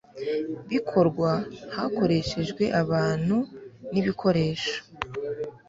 bikorwa hakoreshejwe abantu n ibikoresho